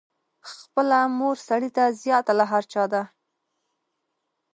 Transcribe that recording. خپله مور سړي ته زیاته له هر چا ده.